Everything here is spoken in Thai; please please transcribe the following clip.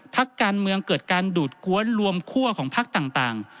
พักการเมืองเกิดการดูดกวนรวมคั่วของพักต่าง